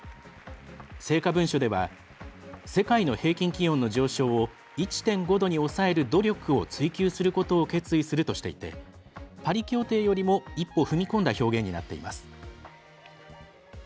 成果文書では世界の平均気温の上昇を１．５度に抑える努力を追求することを決意するとしていてパリ協定よりも一歩踏み込んだ表現になっています。